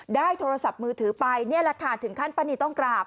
โทรศัพท์มือถือไปนี่แหละค่ะถึงขั้นป้านีต้องกราบ